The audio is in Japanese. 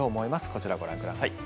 こちら、ご覧ください。